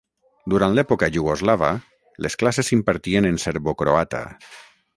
Durant l'època iugoslava, les classes s'impartien en serbocroata.